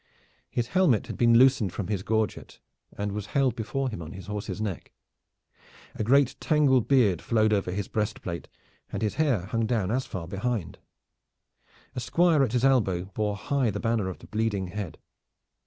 His helmet had been loosened from his gorget and was held before him on his horse's neck. A great tangled beard flowed over his breastplate, and his hair hung down as far behind. A squire at his elbow bore high the banner of the bleeding head.